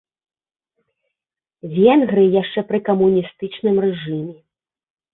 Венгрыі яшчэ пры камуністычным рэжыме.